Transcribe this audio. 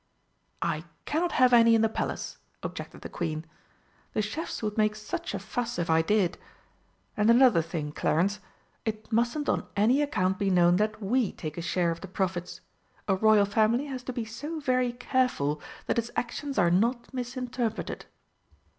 "I cannot have any in the Palace," objected the Queen. "The chefs would make such a fuss if I did. And another thing, Clarence it mustn't on any account be known that we take a share of the profits. A Royal Family has to be so very careful that its actions are not misinterpreted."